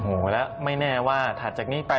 โอ้โหแล้วไม่แน่ว่าถัดจากนี้ไป